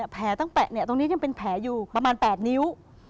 ตั้งแปะเนี่ยตรงนี้ยังเป็นแผลอยู่ประมาณ๘นิ้ว